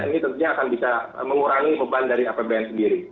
ini tentunya akan bisa mengurangi beban dari apbn sendiri